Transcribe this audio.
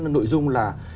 nội dung là